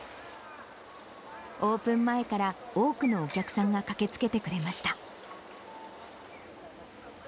オープン前から多くのお客さんが駆けつけてくれました。